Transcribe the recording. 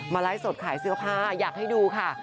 ไลฟ์สดขายเสื้อผ้าอยากให้ดูค่ะ